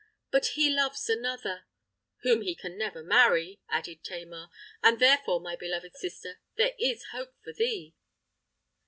But he loves another——" "Whom he can never marry," added Tamar; "and therefore, my beloved sister, there is hope for thee!"